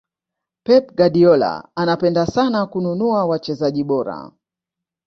pep guardiola anapenda sana kununua wachezaji bora